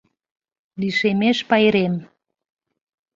Лишемеш пайрем.